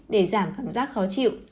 để giảm cảm giác khó chịu